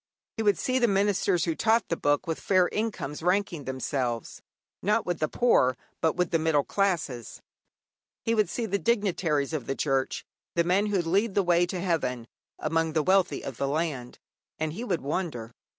He would see the ministers who taught the Book with fair incomes ranking themselves, not with the poor, but with the middle classes; he would see the dignitaries of the Church the men who lead the way to heaven among the wealthy of the land. And he would wonder.